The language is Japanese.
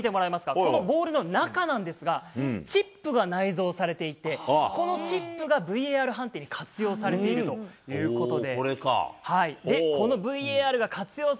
このボールの中なんですが、チップが内蔵されていて、このチップがＶＡＲ判定に活用されているということで。